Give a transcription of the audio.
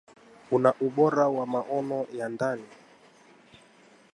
una ubora wa maono ya ndani